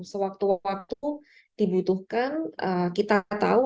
sewaktu waktu dibutuhkan kita tahu